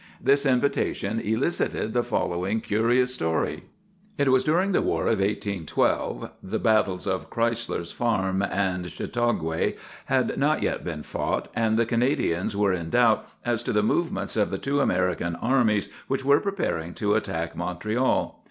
This invitation elicited the following curious story:— "It was during the war of 1812. The battles of Chrysler's Farm and Chateauguay had not yet been fought, and the Canadians were in doubt as to the movements of the two American armies which were preparing to attack Montreal.